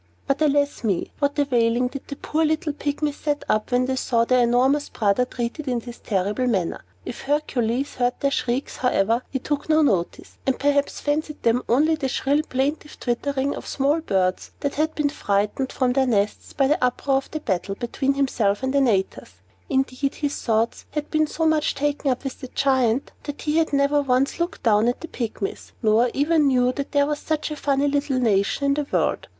But, alas me! What a wailing did the poor little Pygmies set up when they saw their enormous brother treated in this terrible manner! If Hercules heard their shrieks, however, he took no notice, and perhaps fancied them only the shrill, plaintive twittering of small birds that had been frightened from their nests by the uproar of the battle between himself and Antaeus. Indeed, his thoughts had been so much taken up with the Giant, that he had never once looked at the Pygmies, nor even knew that there was such a funny little nation in the world.